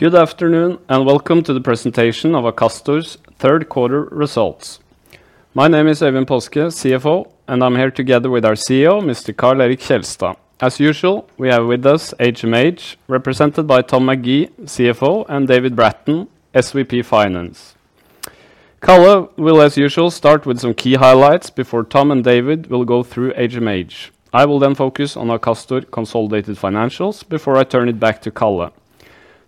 Good afternoon, and welcome to the presentation of Akastor's Third Quarter Results. My name is Øyvind Paaske, CFO, and I'm here together with our CEO, Mr. Karl Erik Kjelstad. As usual, we have with us HMH, represented by Tom McGee, CFO, and David Bratton, SVP Finance. Karl will, as usual, start with some key highlights before Tom and David will go through HMH. I will then focus on Akastor consolidated financials before I turn it back to Karl.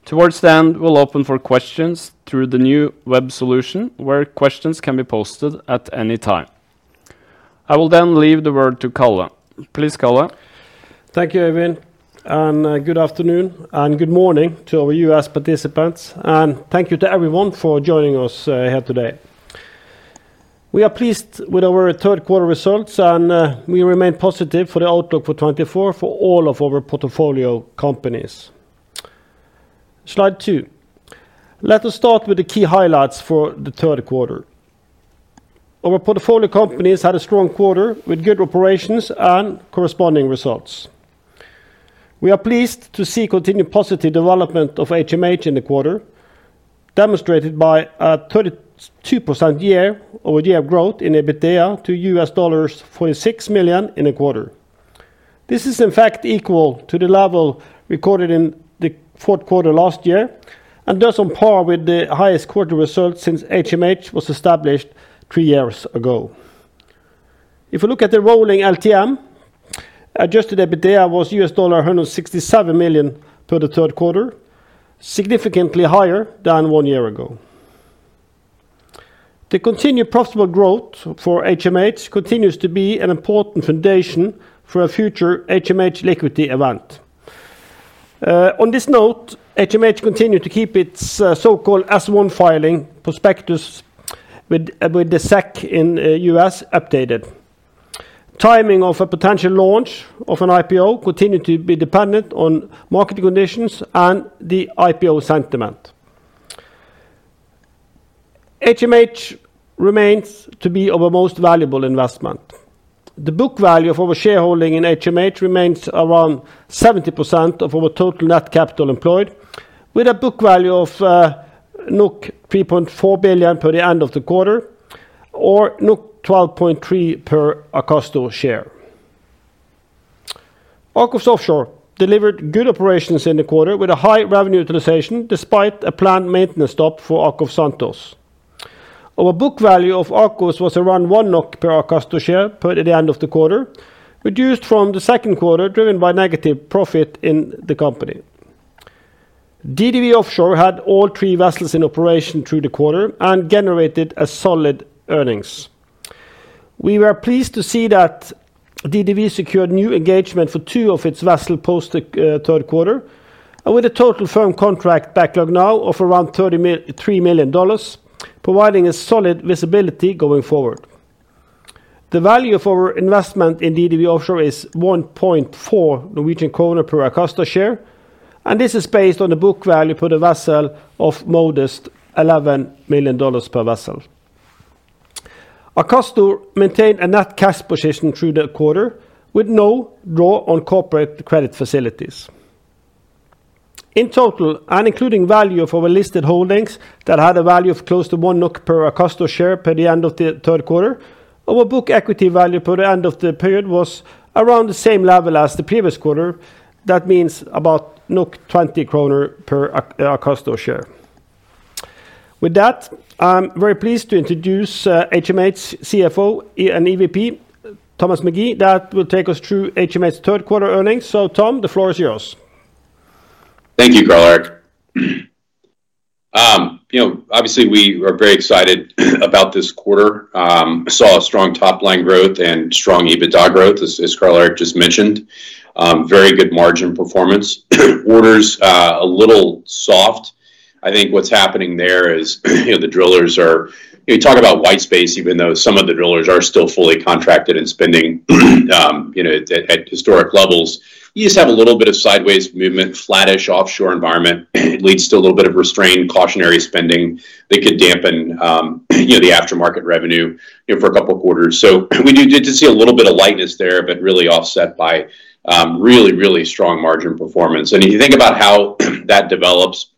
Towards the end, we'll open for questions through the new web solution, where questions can be posted at any time. I will then leave the word to Karl. Please, Karl. Thank you, Øyvind, and good afternoon and good morning to our US participants, and thank you to everyone for joining us here today. We are pleased with our Q3 results, and we remain positive for the outlook for 2024 for all of our portfolio companies. Slide two. Let us start with the key highlights for Q3. Our portfolio companies had a strong quarter with good operations and corresponding results. We are pleased to see continued positive development of HMH in the quarter, demonstrated by a 32% year-over-year growth in EBITDA to $46 million in the quarter. This is, in fact, equal to the level recorded in Q4 last year and thus on par with the highest quarter result since HMH was established three years ago. If we look at the rolling LTM, adjusted EBITDA was $167 million for Q3, significantly higher than one year ago. The continued profitable growth for HMH continues to be an important foundation for a future HMH liquidity event. On this note, HMH continued to keep its so-called S-1 filing prospectus with the SEC in the US updated. Timing of a potential launch of an IPO continued to be dependent on market conditions and the IPO sentiment. HMH remains to be our most valuable investment. The book value of our shareholding in HMH remains around 70% of our total net capital employed, with a book value of 3.4 billion per the end of the quarter, or 12.3 per Akastor share. AKOFS Offshore delivered good operations in the quarter with a high revenue utilization despite a planned maintenance stop for AKOFS Santos. Our book value of AKOFS was around 1 NOK per Akastor share per the end of the quarter, reduced from Q2 driven by negative profit in the company. DDW Offshore had all three vessels in operation through the quarter and generated solid earnings. We were pleased to see that DDW secured new engagement for two of its vessels post Q3, with a total firm contract backlog now of around $3 million, providing solid visibility going forward. The value of our investment in DDW Offshore is 1.4 Norwegian kroner per Akastor share, and this is based on the book value per the vessel of modest $11 million per vessel. Akastor maintained a net cash position through the quarter with no draw on corporate credit facilities. In total, and including value of our listed holdings that had a value of close to 1 NOK per Akastor share per the end of Q3, our book equity value per the end of the period was around the same level as the previous quarter. That means about 20 kroner per Akastor share. With that, I'm very pleased to introduce HMH's CFO and EVP, Thomas McGee, that will take us through HMH's Q3 earnings. Tom, the floor is yours. Thank you, Karl Erik. Obviously, we are very excited about this quarter. We saw strong top-line growth and strong EBITDA growth, as Karl Erik just mentioned. Very good margin performance. Orders a little soft. I think what's happening there is the drillers are talking about white space, even though some of the drillers are still fully contracted and spending at historic levels. You just have a little bit of sideways movement, flattish offshore environment. It leads to a little bit of restrained cautionary spending that could dampen the aftermarket revenue for a couple of quarters. So we do see a little bit of lightness there, but really offset by really, really strong margin performance, and if you think about how that develops,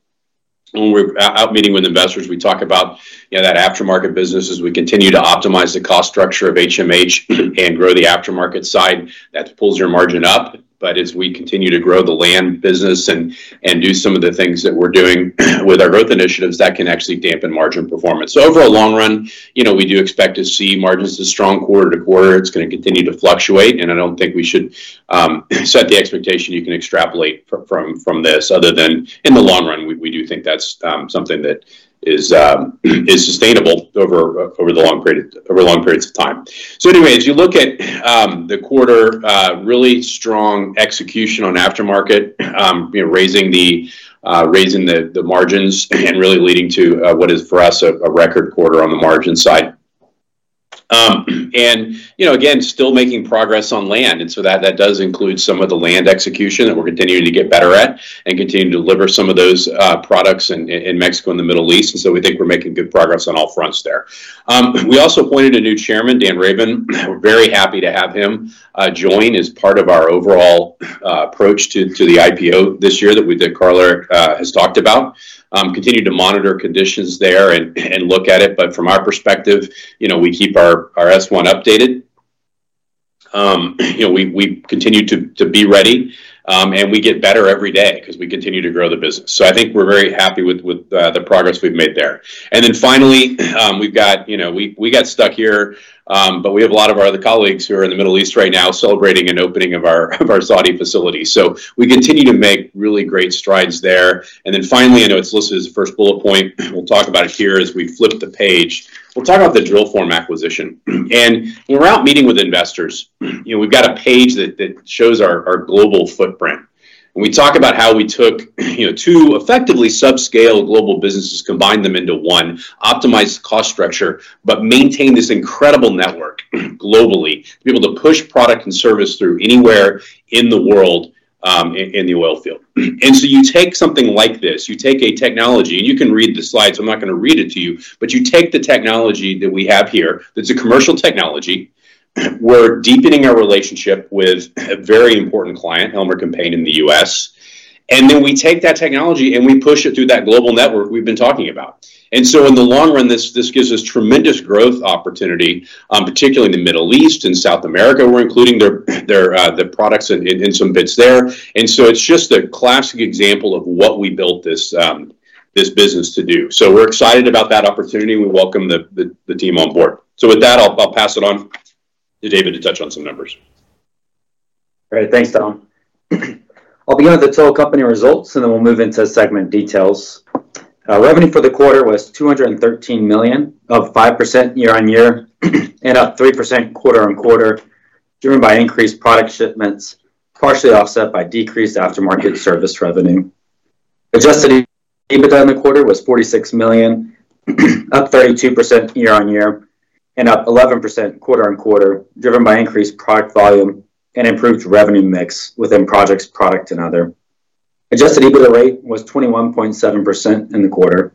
when we're out meeting with investors, we talk about that aftermarket business, as we continue to optimize the cost structure of HMH and grow the aftermarket side. That pulls your margin up, but as we continue to grow the land business and do some of the things that we're doing with our growth initiatives, that can actually dampen margin performance, so over the long run, we do expect to see margins as strong quarter to quarter. It's going to continue to fluctuate, and I don't think we should set the expectation you can extrapolate from this, other than in the long run, we do think that's something that is sustainable over long periods of time, so anyway, as you look at the quarter, really strong execution on aftermarket, raising the margins and really leading to what is, for us, a record quarter on the margin side, and again, still making progress on land. And so that does include some of the land execution that we're continuing to get better at and continue to deliver some of those products in Mexico and the Middle East. And so we think we're making good progress on all fronts there. We also appointed a new Chairman, Dan Rabun. We're very happy to have him join as part of our overall approach to the IPO this year that we did, Karl Erik has talked about. Continue to monitor conditions there and look at it. But from our perspective, we keep our S-1 updated. We continue to be ready, and we get better every day because we continue to grow the business. So I think we're very happy with the progress we've made there. And then finally, we got stuck here, but we have a lot of our other colleagues who are in the Middle East right now celebrating an opening of our Saudi facility. So we continue to make really great strides there. And then finally, I know it's listed as the first bullet point. We'll talk about it here as we flip the page. We'll talk about the Drillform acquisition. And when we're out meeting with investors, we've got a page that shows our global footprint. And we talk about how we took two effectively subscale global businesses, combined them into one, optimized cost structure, but maintained this incredible network globally to be able to push product and service through anywhere in the world in the oil field. And so you take something like this, you take a technology, and you can read the slides, so I'm not going to read it to you, but you take the technology that we have here that's a commercial technology. We're deepening our relationship with a very important client, Helmerich & Payne in the US. And then we take that technology and we push it through that global network we've been talking about. And so in the long run, this gives us tremendous growth opportunity, particularly in the Middle East and South America. We're including the products and some bits there. And so it's just a classic example of what we built this business to do. So we're excited about that opportunity. We welcome the team on board. So with that, I'll pass it on to David to touch on some numbers. All right. Thanks, Tom. I'll begin with the total company results, and then we'll move into segment details. Revenue for the quarter was $213 million, up 5% year-on-year and up 3% quarter-on-quarter, driven by increased product shipments, partially offset by decreased aftermarket service revenue. Adjusted EBITDA in the quarter was $46 million, up 32% year-on-year and up 11% quarter-on-quarter, driven by increased product volume and improved revenue mix within projects, product, and other. Adjusted EBITDA rate was 21.7% in the quarter.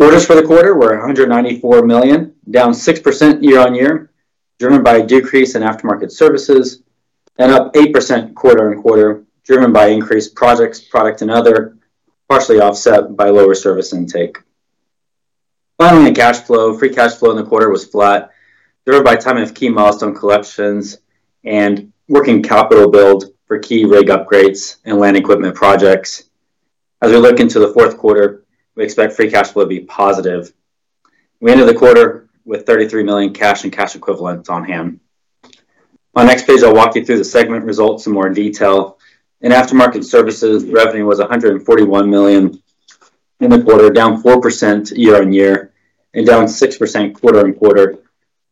Orders for the quarter were $194 million, down 6% year-on-year, driven by a decrease in aftermarket services and up 8% quarter-on-quarter, driven by increased projects, product, and other, partially offset by lower service intake. Finally, in cash flow, free cash flow in the quarter was flat, driven by timing of key milestone collections and working capital build for key rig upgrades and land equipment projects. As we look into the Q4, we expect free cash flow to be positive. We ended the quarter with $33 million cash and cash equivalents on hand. On the next page, I'll walk you through the segment results in more detail. In aftermarket services, revenue was $141 million in the quarter, down 4% year-on-year and down 6% quarter-on-quarter,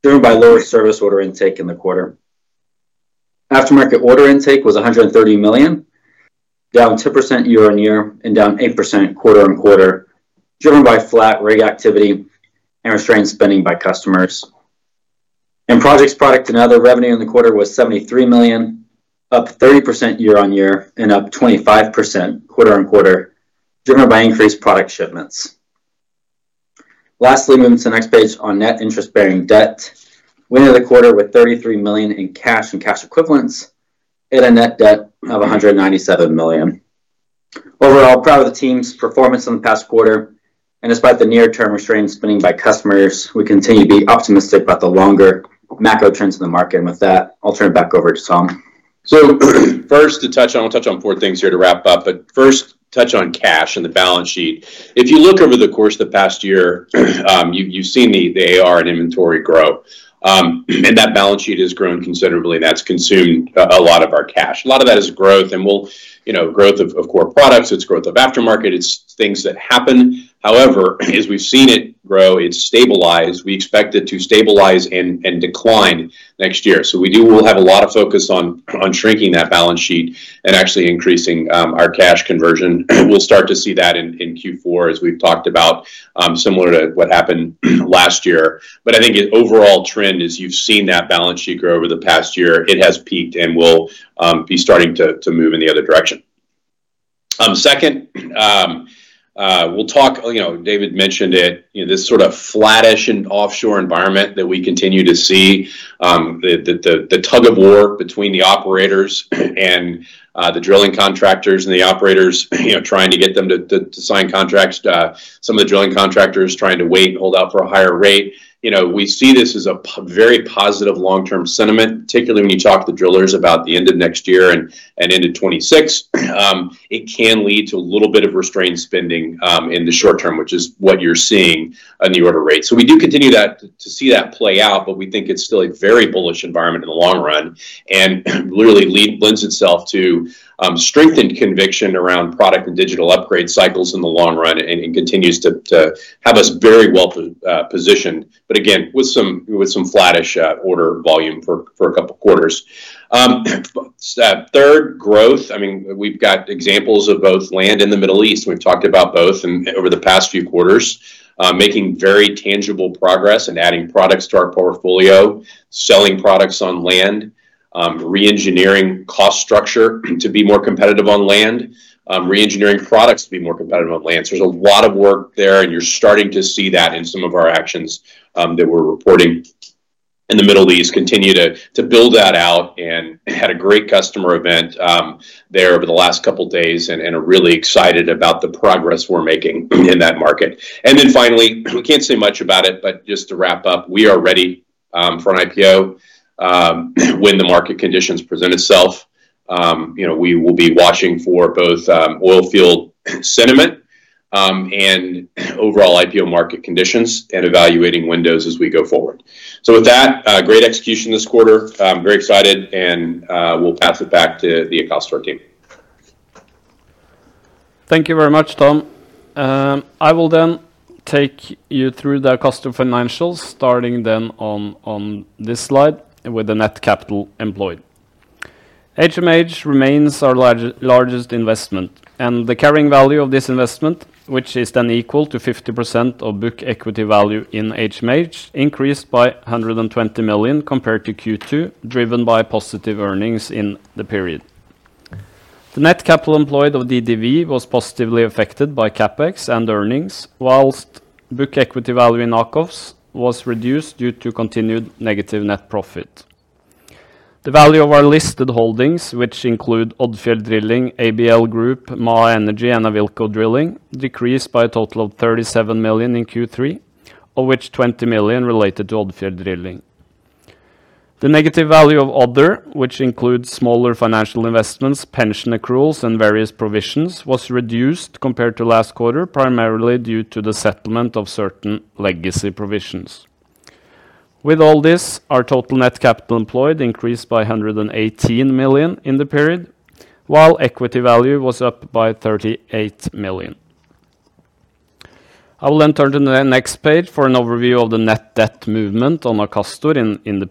driven by lower service order intake in the quarter. Aftermarket order intake was $130 million, down 2% year-on-year and down 8% quarter-on-quarter, driven by flat rig activity and restrained spending by customers. In projects, product, and other, revenue in the quarter was $73 million, up 30% year-on-year and up 25% quarter-on-quarter, driven by increased product shipments. Lastly, moving to the next page on net interest-bearing debt, we ended the quarter with $33 million in cash and cash equivalents and a net debt of $197 million. Overall, proud of the team's performance in the past quarter. And despite the near-term restrained spending by customers, we continue to be optimistic about the longer macro trends in the market. And with that, I'll turn it back over to Tom. So, first, I'll touch on four things here to wrap up, but first, touch on cash and the balance sheet. If you look over the course of the past year, you've seen the AR and inventory grow, and that balance sheet has grown considerably, and that's consumed a lot of our cash. A lot of that is growth, and growth of core products. It's growth of aftermarket. It's things that happen. However, as we've seen it grow, it's stabilized. We expect it to stabilize and decline next year. So we will have a lot of focus on shrinking that balance sheet and actually increasing our cash conversion. We'll start to see that in Q4, as we've talked about, similar to what happened last year. But I think the overall trend is you've seen that balance sheet grow over the past year. It has peaked and will be starting to move in the other direction. Second, we'll talk. David mentioned it, this sort of flattish and offshore environment that we continue to see, the tug of war between the operators and the drilling contractors and the operators trying to get them to sign contracts. Some of the drilling contractors trying to wait and hold out for a higher rate. We see this as a very positive long-term sentiment, particularly when you talk to the drillers about the end of next year and end of 2026. It can lead to a little bit of restrained spending in the short term, which is what you're seeing in the order rate. So we do continue to see that play out, but we think it's still a very bullish environment in the long run and really lends itself to strengthened conviction around product and digital upgrade cycles in the long run and continues to have us very well positioned. But again, with some flattish order volume for a couple of quarters. Third, growth. I mean, we've got examples of both land in the Middle East. We've talked about both over the past few quarters, making very tangible progress and adding products to our portfolio, selling products on land, reengineering cost structure to be more competitive on land, reengineering products to be more competitive on land. So there's a lot of work there, and you're starting to see that in some of our actions that we're reporting in the Middle East. Continue to build that out and had a great customer event there over the last couple of days and are really excited about the progress we're making in that market, and then finally, we can't say much about it, but just to wrap up, we are ready for an IPO when the market conditions present itself. We will be watching for both oil field sentiment and overall IPO market conditions and evaluating windows as we go forward, so with that, great execution this quarter. I'm very excited, and we'll pass it back to the Akastor team. Thank you very much, Tom. I will then take you through the Akastor financials, starting then on this slide with the net capital employed. HMH remains our largest investment, and the carrying value of this investment, which is then equal to 50% of book equity value in HMH, increased by 120 million compared to Q2, driven by positive earnings in the period. The net capital employed of DDW was positively affected by CapEx and earnings, while book equity value in AKOFS was reduced due to continued negative net profit. The value of our listed holdings, which include Odfjell Drilling, ABL Group, Maha Energy, and Awilco Drilling, decreased by a total of 37 million in Q3, of which 20 million related to Odfjell Drilling. The negative value of other, which includes smaller financial investments, pension accruals, and various provisions, was reduced compared to last quarter, primarily due to the settlement of certain legacy provisions. With all this, our total net capital employed increased by 118 million in the period, while equity value was up by 38 million. I will then turn to the next page for an overview of the net debt movement on Akastor in the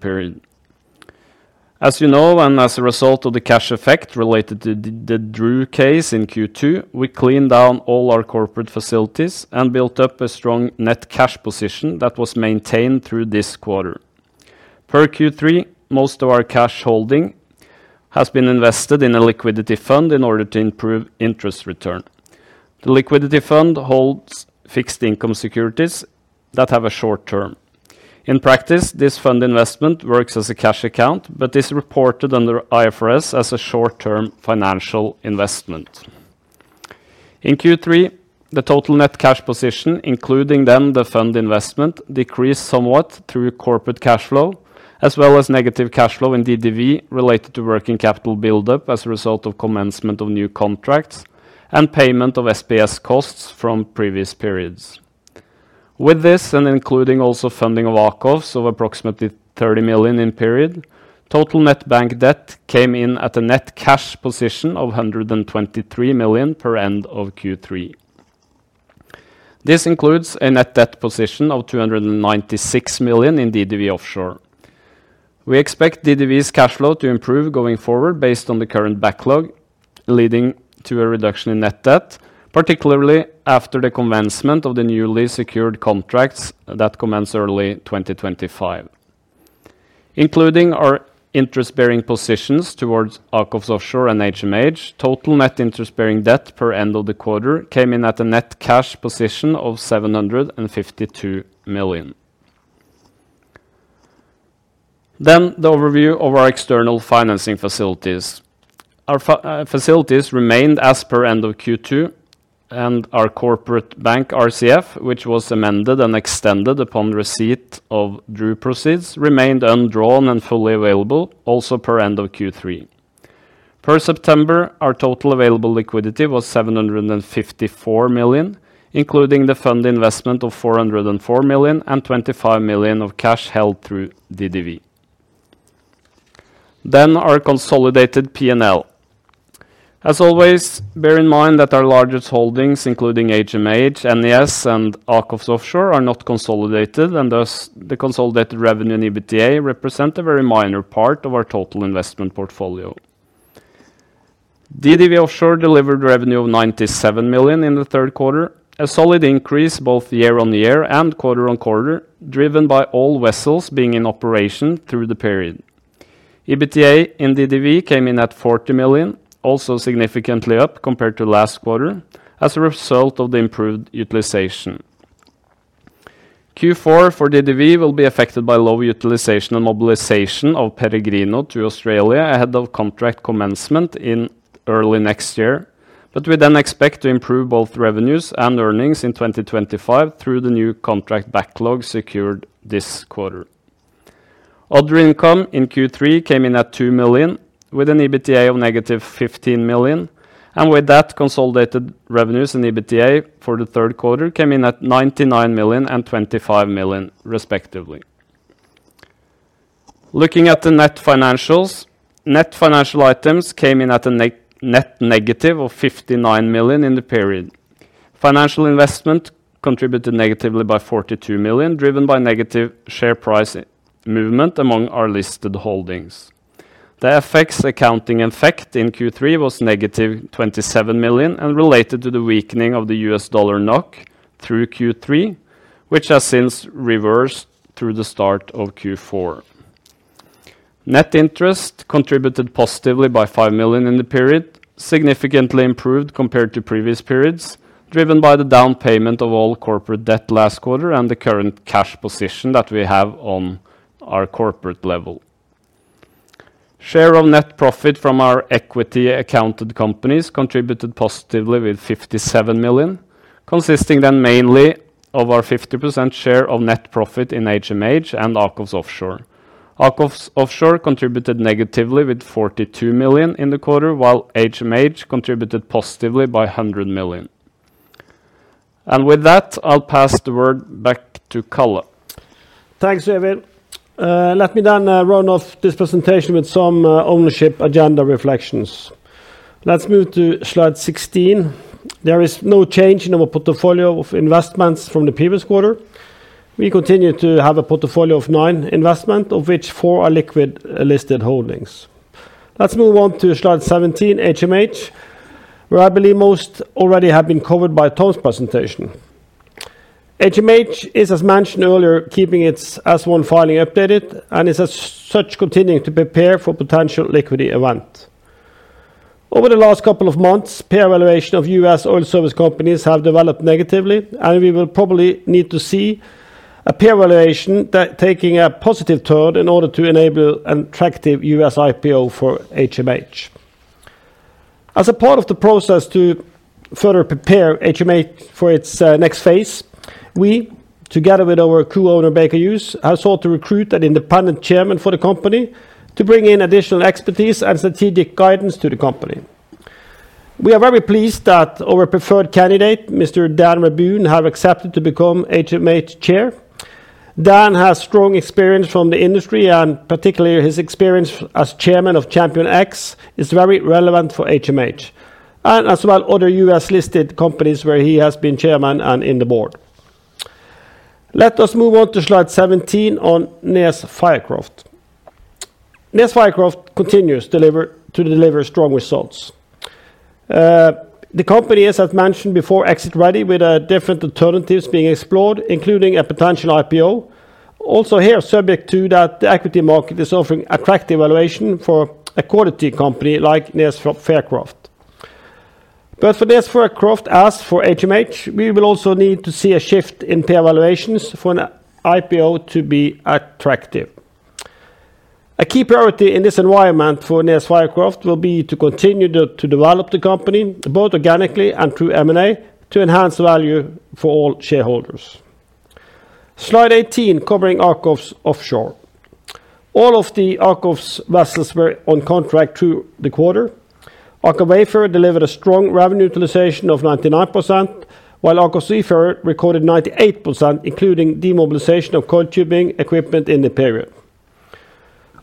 period. As you know, and as a result of the cash effect related to the DRU case in Q2, we cleaned down all our corporate facilities and built up a strong net cash position that was maintained through this quarter. Per Q3, most of our cash holding has been invested in a liquidity fund in order to improve interest return. The liquidity fund holds fixed-income securities that have a short term. In practice, this fund investment works as a cash account, but is reported under IFRS as a short-term financial investment. In Q3, the total net cash position, including then the fund investment, decreased somewhat through corporate cash flow, as well as negative cash flow in DDW related to working capital buildup as a result of commencement of new contracts and payment of SPS costs from previous periods. With this, and including also funding of AKOFS of approximately 30 million in period, total net bank debt came in at a net cash position of 123 million per end of Q3. This includes a net debt position of 296 million in DDW Offshore. We expect DDW's cash flow to improve going forward based on the current backlog, leading to a reduction in net debt, particularly after the commencement of the newly secured contracts that commence early 2025. Including our interest-bearing positions towards AKOFS Offshore and HMH, total net interest-bearing debt per end of the quarter came in at a net cash position of 752 million. Then the overview of our external financing facilities. Our facilities remained as per end of Q2, and our corporate bank RCF, which was amended and extended upon receipt of DRU proceeds, remained undrawn and fully available, also per end of Q3. Per September, our total available liquidity was 754 million, including the fund investment of 404 million and 25 million of cash held through DDW. Then our consolidated P&L. As always, bear in mind that our largest holdings, including HMH, NES, and AKOFS Offshore, are not consolidated, and thus the consolidated revenue in EBITDA represents a very minor part of our total investment portfolio. DDW Offshore delivered revenue of 97 million in Q3, a solid increase both year-on-year and quarter-on-quarter, driven by all vessels being in operation through the period. EBITDA in DDW came in at 40 million, also significantly up compared to last quarter as a result of the improved utilization. Q4 for DDW will be affected by low utilization and mobilization of Peregrino to Australia ahead of contract commencement in early next year, but we then expect to improve both revenues and earnings in 2025 through the new contract backlog secured this quarter. Other income in Q3 came in at 2 million, with an EBITDA of -15 million, and with that, consolidated revenues and EBITDA for Q3 came in at 99 million and 25 million, respectively. Looking at the net financials, net financial items came in at a net negative of 59 million in the period. Financial investment contributed negatively by 42 million, driven by negative share price movement among our listed holdings. The FX accounting effect in Q3 was -27 million and related to the weakening of the US dollar NOK through Q3, which has since reversed through the start of Q4. Net interest contributed positively by 5 million in the period, significantly improved compared to previous periods, driven by the repayment of all corporate debt last quarter and the current cash position that we have on our corporate level. Share of net profit from our equity-accounted companies contributed positively with 57 million, consisting then mainly of our 50% share of net profit in HMH and AKOFS Offshore. AKOFS Offshore contributed negatively with 42 million in the quarter, while HMH contributed positively by 100 million. With that, I'll pass the word back to Karl. Thanks, Øyvind. Let me then round off this presentation with some ownership agenda reflections. Let's move to slide 16. There is no change in our portfolio of investments from the previous quarter. We continue to have a portfolio of nine investments, of which four are liquid listed holdings. Let's move on to slide 17, HMH, where I believe most already have been covered by Tom's presentation. HMH is, as mentioned earlier, keeping its S-1 filing updated, and is as such continuing to prepare for potential liquidity event. Over the last couple of months, peer valuation of US oil service companies has developed negatively, and we will probably need to see a peer valuation taking a positive turn in order to enable an attractive US IPO for HMH. As a part of the process to further prepare HMH for its next phase, we, together with our co-owner, Baker Hughes, have sought to recruit an independent chairman for the company to bring in additional expertise and strategic guidance to the company. We are very pleased that our preferred candidate, Mr. Dan Rabun, has accepted to become HMH chair. Dan has strong experience from the industry, and particularly his experience as chairman of ChampionX is very relevant for HMH, as well as other US-listed companies where he has been chairman and on the board. Let us move on to slide 17 on NES Fircroft. NES Fircroft continues to deliver strong results. The company is, as mentioned before, exit-ready, with different alternatives being explored, including a potential IPO, also here subject to that the equity market is offering attractive valuation for a quality company like NES Fircroft. But for NES Fircroft as for HMH, we will also need to see a shift in peer valuations for an IPO to be attractive. A key priority in this environment for NES Fircroft will be to continue to develop the company both organically and through M&A to enhance the value for all shareholders. Slide 18, covering AKOFS Offshore. All of the AKOFS vessels were on contract through the quarter. Aker Wayfarer delivered a strong revenue utilization of 99%, while AKOFS Seafarer recorded 98%, including demobilization of coil tubing equipment in the period.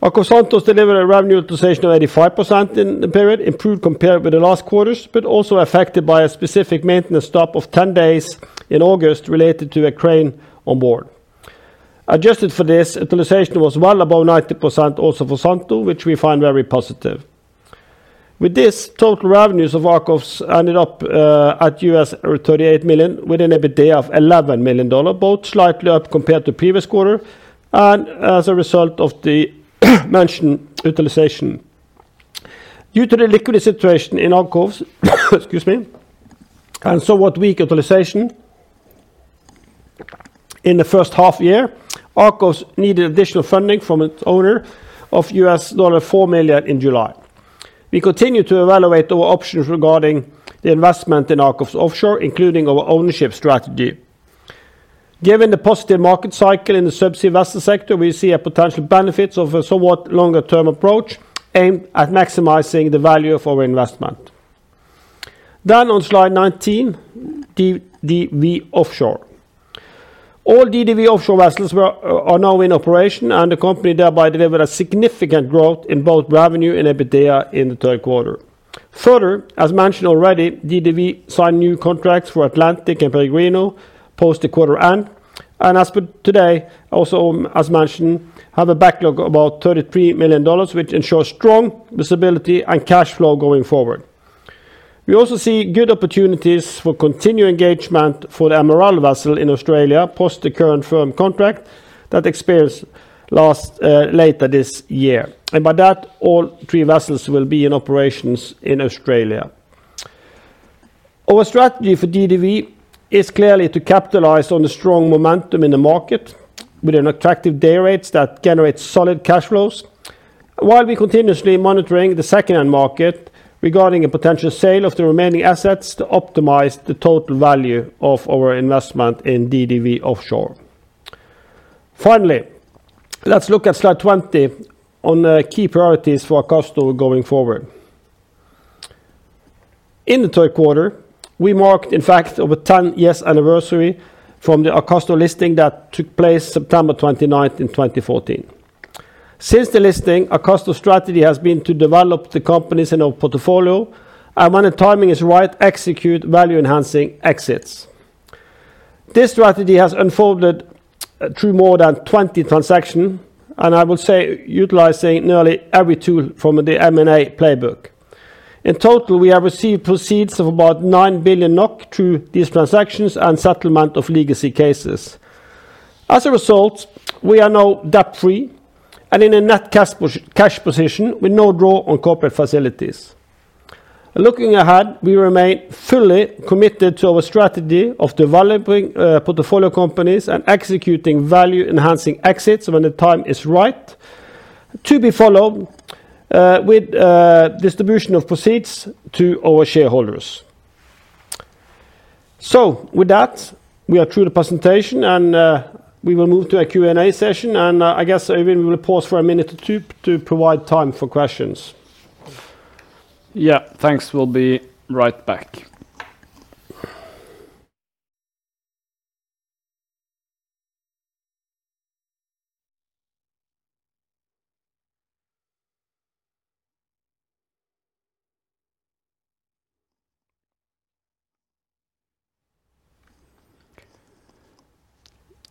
AKOFS Santos delivered a revenue utilization of 85% in the period, improved compared with the last quarters, but also affected by a specific maintenance stop of 10 days in August related to a crane on board. Adjusted for this, utilization was well above 90% also for Santos, which we find very positive. With this, total revenues of AKOFS ended up at $38 million with an EBITDA of $11 million, both slightly up compared to the previous quarter and as a result of the mentioned utilization. Due to the liquidity situation in AKOFS, excuse me, and somewhat weak utilization in the first half year, AKOFS needed additional funding from its owner of $4 million in July. We continue to evaluate our options regarding the investment in AKOFS Offshore, including our ownership strategy. Given the positive market cycle in the subsea vessel sector, we see a potential benefit of a somewhat longer-term approach aimed at maximizing the value of our investment. Then on slide 19, DDW Offshore. All DDW Offshore vessels are now in operation, and the company thereby delivered a significant growth in both revenue and EBITDA in Q3. Further, as mentioned already, DDW signed new contracts for Atlantic and Peregrino post the quarter end, and as per today, also as mentioned, have a backlog of about $33 million, which ensures strong visibility and cash flow going forward. We also see good opportunities for continued engagement for the Emerald vessel in Australia post the current firm contract that expires late this year, and by that, all three vessels will be in operations in Australia. Our strategy for DDW is clearly to capitalize on the strong momentum in the market with an attractive day rate that generates solid cash flows, while we continuously monitor the second-hand market regarding a potential sale of the remaining assets to optimize the total value of our investment in DDW Offshore. Finally, let's look at slide 20 on key priorities for Akastor going forward. In Q3, we marked, in fact, over 10 years anniversary from the Akastor listing that took place September 29th in 2014. Since the listing, Akastor's strategy has been to develop the companies in our portfolio and, when the timing is right, execute value-enhancing exits. This strategy has unfolded through more than 20 transactions, and I will say utilizing nearly every tool from the M&A playbook. In total, we have received proceeds of about 9 billion NOK through these transactions and settlement of legacy cases. As a result, we are now debt-free and in a net cash position with no draw on corporate facilities. Looking ahead, we remain fully committed to our strategy of developing portfolio companies and executing value-enhancing exits when the time is right to be followed with distribution of proceeds to our shareholders. So with that, we are through the presentation, and we will move to a Q&A session, and I guess Øyvind will pause for a minute or two to provide time for questions. Yeah, thanks. We'll be right back.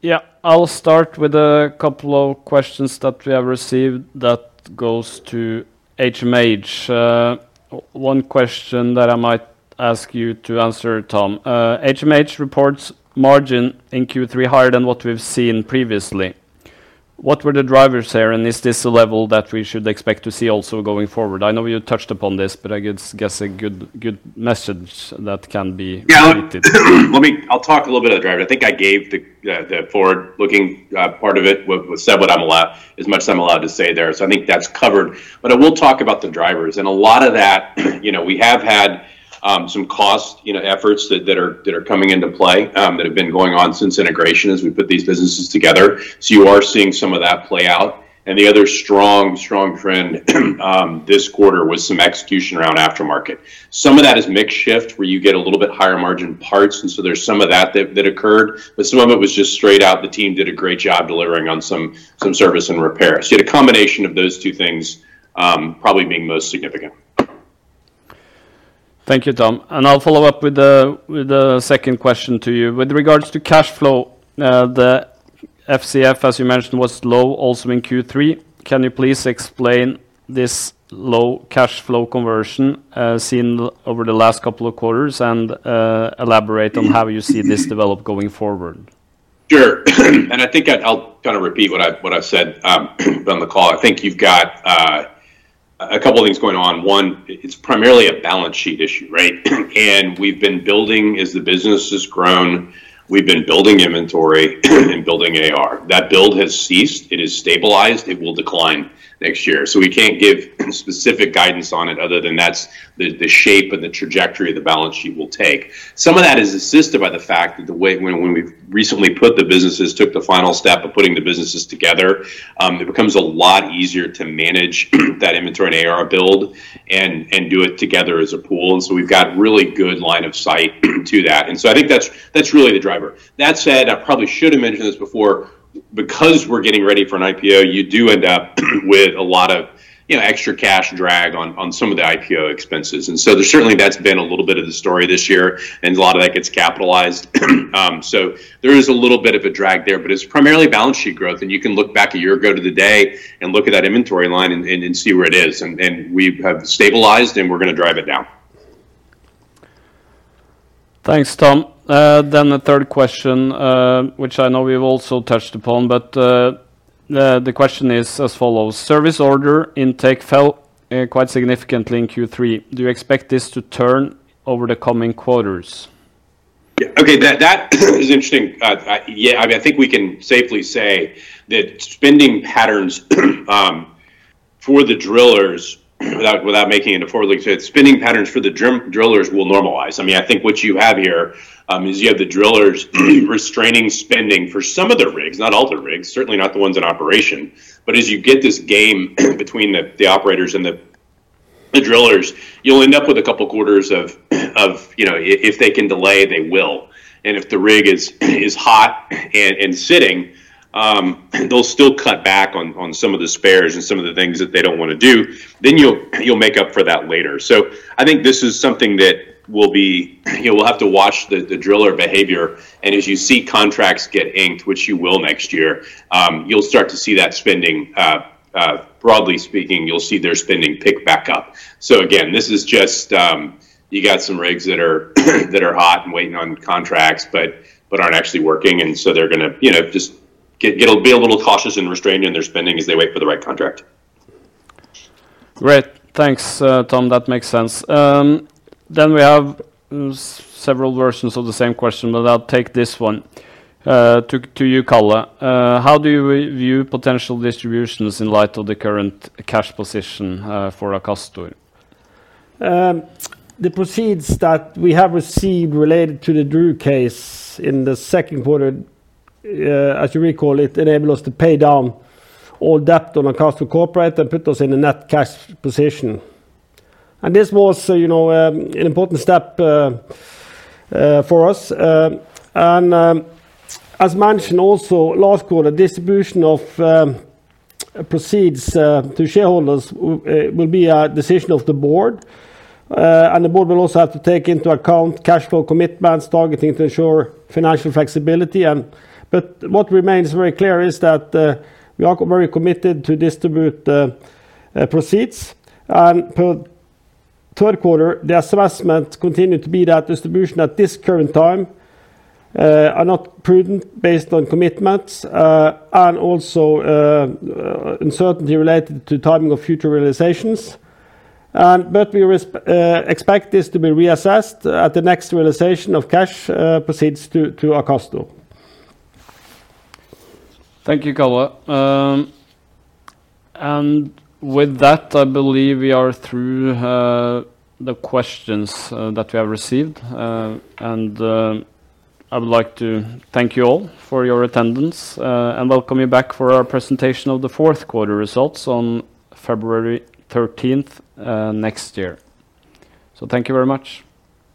Yeah,,, I'll start with a couple of questions that we have received that goes to HMH. One question that I might ask you to answer, Tom. HMH reports margin in Q3 higher than what we've seen previously. What were the drivers here, and is this a level that we should expect to see also going forward? I know you touched upon this, but I guess a good message that can be related. Yeah, I'll talk a little bit about the driver. I think I gave the forward-looking part of it, said what I'm allowed, as much as I'm allowed to say there. So I think that's covered, but I will talk about the drivers. And a lot of that, we have had some cost efforts that are coming into play that have been going on since integration. as we put these businesses together. So you are seeing some of that play out. And the other strong, strong trend this quarter was some execution around aftermarket. Some of that is mixed shift where you get a little bit higher margin parts, and so there's some of that that occurred, but some of it was just straight out the team did a great job delivering on some service and repair. So you had a combination of those two things probably being most significant. Thank you, Tom. And I'll follow up with the second question to you. With regards to cash flow, the FCF, as you mentioned, was low also in Q3. Can you please explain this low cash flow conversion seen over the last couple of quarters and elaborate on how you see this develop going forward? Sure, and I think I'll kind of repeat what I've said on the call. I think you've got a couple of things going on. One, it's primarily a balance sheet issue, right? And we've been building, as the business has grown, we've been building inventory and building AR. That build has ceased. It is stabilized. It will decline next year, so we can't give specific guidance on it other than that's the shape and the trajectory of the balance sheet will take. Some of that is assisted by the fact that when we recently put the businesses, took the final step of putting the businesses together, it becomes a lot easier to manage that inventory and AR build and do it together as a pool. And so we've got really good line of sight to that, and so I think that's really the driver. That said, I probably should have mentioned this before, because we're getting ready for an IPO. You do end up with a lot of extra cash drag on some of the IPO expenses, and so there's certainly, that's been a little bit of the story this year, and a lot of that gets capitalized. So there is a little bit of a drag there, but it's primarily balance sheet growth, and you can look back a year ago to the day and look at that inventory line and see where it is. And we have stabilized, and we're going to drive it down. Thanks, Tom. Then the third question, which I know we've also touched upon, but the question is as follows. Service order intake fell quite significantly in Q3. Do you expect this to turn over the coming quarters? Okay, that is interesting. Yeah, I mean, I think we can safely say that spending patterns for the drillers, without making it a forward-looking statement, spending patterns for the drillers will normalize. I mean, I think what you have here is you have the drillers restraining spending for some of the rigs, not all the rigs, certainly not the ones in operation. But as you get this game between the operators and the drillers, you'll end up with a couple of quarters of if they can delay, they will. And if the rig is hot and sitting, they'll still cut back on some of the spares and some of the things that they don't want to do, then you'll make up for that later. So I think this is something that will be. You'll have to watch the driller behavior. And as you see contracts get inked, which you will next year, you'll start to see that spending, broadly speaking, you'll see their spending pick back up. So again, this is just you got some rigs that are hot and waiting on contracts but aren't actually working. And so they're going to just be a little cautious and restrained in their spending as they wait for the right contract. Great. Thanks, Tom. That makes sense. Then we have several versions of the same question, but I'll take this one to you, Karl. How do you view potential distributions in light of the current cash position for Akastor? The proceeds that we have received related to the DRU case in Q2, as you recall, enabled us to pay down all debt on Akastor Corporate and put us in a net cash position. This was an important step for us. As mentioned also last quarter, distribution of proceeds to shareholders will be a decision of the board. The board will also have to take into account cash flow commitments targeting to ensure financial flexibility. What remains very clear is that we are very committed to distribute proceeds. Per Q3, the assessment continued to be that distribution at this current time are not prudent based on commitments and also uncertainty related to timing of future realizations. We expect this to be reassessed at the next realization of cash proceeds to Akastor. Thank you, Karl. And with that, I believe we are through the questions that we have received. And I would like to thank you all for your attendance and welcome you back for our presentation of the Q4 results on February 13th next year. So thank you very much.